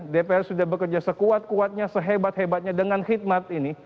dpr sudah bekerja sekuat kuatnya sehebat hebatnya dengan khidmat ini